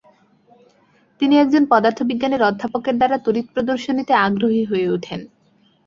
তিনি একজন পদার্থ বিজ্ঞানের অধ্যাপকের দ্বারা তড়িৎ প্রদর্শনীতে আগ্রহী হয়ে ওঠেন।